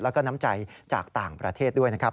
แล้วก็น้ำใจจากต่างประเทศด้วยนะครับ